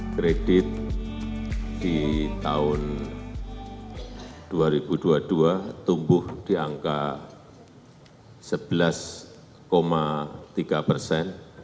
kredit di tahun dua ribu dua puluh dua tumbuh di angka sebelas tiga persen